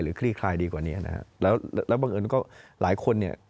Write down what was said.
คลี่คลายดีกว่านี้นะฮะแล้วแล้วบังเอิญก็หลายคนเนี่ย